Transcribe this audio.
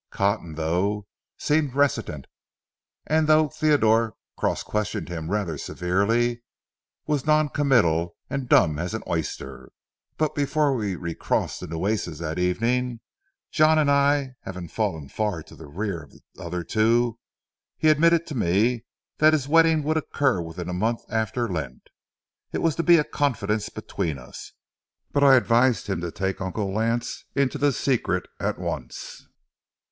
Cotton, though, seemed reticent, and though Theodore cross questioned him rather severely, was non committal and dumb as an oyster; but before we recrossed the Nueces that evening, John and I having fallen far to the rear of the other two, he admitted to me that his wedding would occur within a month after Lent. It was to be a confidence between us, but I advised him to take Uncle Lance into the secret at once.